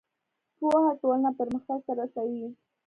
پوهه ټولنه پرمختګ ته رسوي.